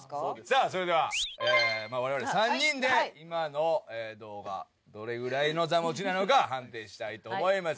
さあそれでは我々３人で今の動画どれぐらいの座持ちなのか判定したいと思います。